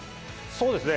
そうですね。